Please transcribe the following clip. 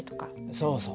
そうそう。